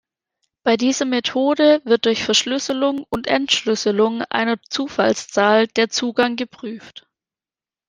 Bei dieser Methode wird durch Verschlüsselung und Entschlüsselung einer Zufallszahl der Zugang geprüft.